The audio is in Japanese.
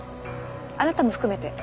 あなたも含めて。